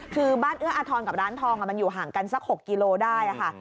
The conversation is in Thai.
คือบ้านเอื้ออาทรกับร้านทองมันอยู่ห่างกันสัก๖กิโลได้ค่ะ